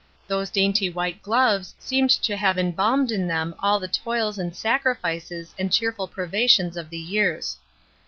Those dainty white gloves seemed to have embalmed in them all the toils and sacrifices and cheerful privations of the years.